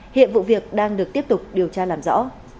hiện vụ việc đang được tiếp tục điều tra làm rõ